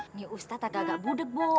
ini ustadz agak agak budeg bu